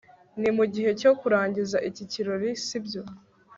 ni mugihe cyo kurangiza iki kirori, sibyo